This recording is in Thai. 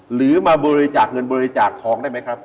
หรือมาบริจาคเงินบริจาคทองได้ไหมครับ